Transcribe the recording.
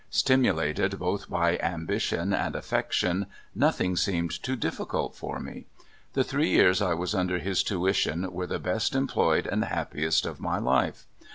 Stimulated both by ambition and affection, nothing seemed too difficult for me. The three years I was under his tuition were the best em ployed and happiest of my life.